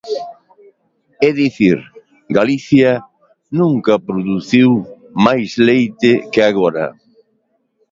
É dicir, Galicia nunca produciu máis leite que agora.